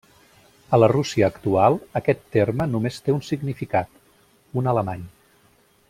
A la Rússia actual, aquest terme només té un significat: 'un alemany'.